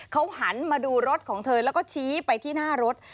เขาหันมาดูรถของเธอแล้วก็ชี้ไปที่หน้ารถ